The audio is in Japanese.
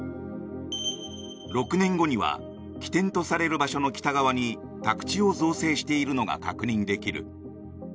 ６年後には起点とされる場所の北側に宅地を造成しているのが確認できる。